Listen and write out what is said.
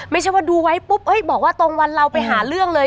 ไม่ใช่ว่าดูไว้ปุ๊บบอกว่าตรงวันเราไปหาเรื่องเลย